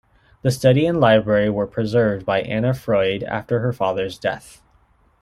The study and library were preserved by Anna Freud after her father's death.